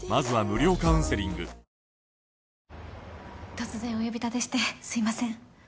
突然お呼び立てしてすいません。